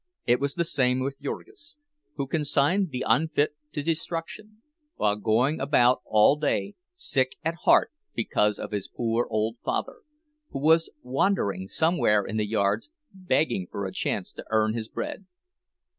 It was the same with Jurgis, who consigned the unfit to destruction, while going about all day sick at heart because of his poor old father, who was wandering somewhere in the yards begging for a chance to earn his bread.